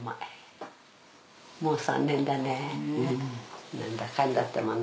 もう３年だね。